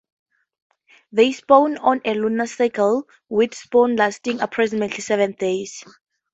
They spawn on a lunar cycle, with spawns lasting approximately seven days.